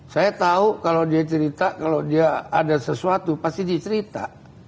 saya tau kalau dia cerita kalau dia ada sesuatu pasti dicerita